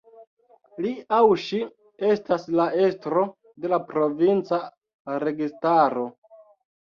Li aŭ ŝi estas la estro de la provinca registaro.